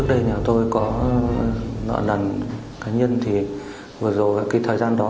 trong tương cận với đối tượng